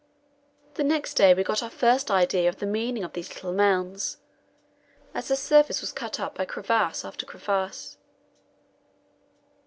The next day we got our first idea of the meaning of these little mounds, as the surface was cut up by crevasse after crevasse.